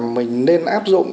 mình nên áp dụng